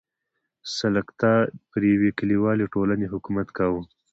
سلکتا پر یوې کلیوالې ټولنې حکومت کاوه.